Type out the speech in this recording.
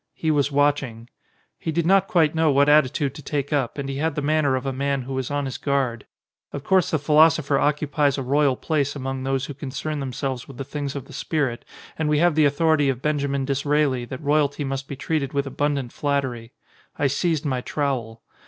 He was watching. He did not quite know what attitude to take up, and he had the manner of a man who was on his guard. Of course the philosopher occupies a royal place among those who concern themselves with the things of the spirit and we have the authority of Benjamin Disraeli that royalty must be treated with abundant flattery. I seized my trowel.